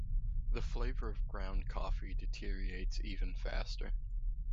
The flavor of ground coffee deteriorates even faster.